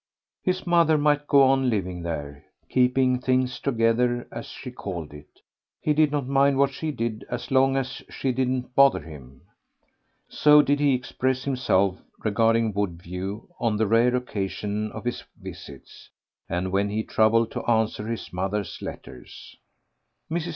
His mother might go on living there, keeping things together as she called it; he did not mind what she did as long as she didn't bother him. So did he express himself regarding Woodview on the rare occasion of his visits, and when he troubled to answer his mother's letters. Mrs.